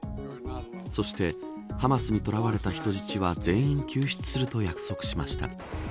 そしてハマスに捕らわれた人質は全員救出すると約束しました。